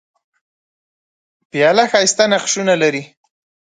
پیاله ښايسته نقشونه لري.